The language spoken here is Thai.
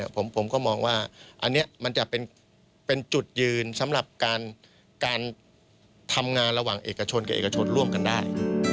ผมก็มองว่าอันนี้มันจะเป็นจุดยืนสำหรับการทำงานระหว่างเอกชนกับเอกชนร่วมกันได้